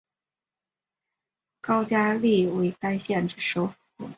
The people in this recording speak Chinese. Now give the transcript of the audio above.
高加力为该县之首府。